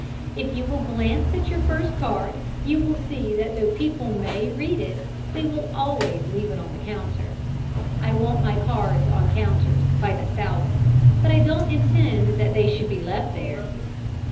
If you will glance at your first card you will see that though people may read it they will always leave it on the counter. I want my cards on counters, by the thousand, but I don't intend that they should be left there!